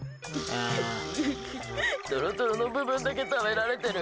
うっトロトロの部分だけ食べられてる。